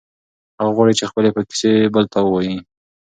هغه غواړي چې خپلې کیسې بل ته ووایي.